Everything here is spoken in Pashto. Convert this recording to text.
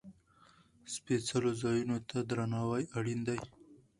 سپېڅلو ځایونو ته درناوی اړین دی.